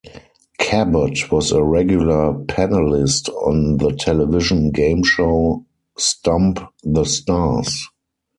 Cabot was a regular panellist on the television game show, "Stump the Stars".